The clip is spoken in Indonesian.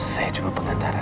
saya cuma pengantara